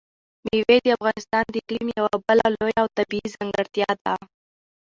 مېوې د افغانستان د اقلیم یوه بله لویه او طبیعي ځانګړتیا ده.